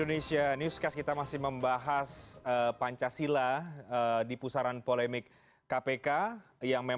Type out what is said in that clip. dinas tersebut juga berkata bahwa nuaneng jika dipintar dengan kebanyakan pelacurannya